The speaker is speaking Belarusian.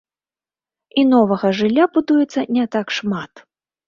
І новага жылля будуецца не так шмат.